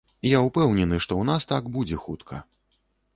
Я ўпэўнены, што ў нас так будзе хутка.